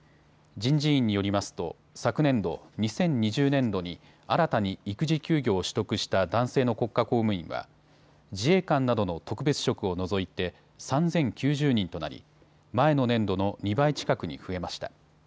人事院によりますと昨年度・２０２０年度に新たに育児休業を取得した男性の国家公務員は自衛官などの特別職を除いて３０９０人となり前の年度の２倍近くに増えました。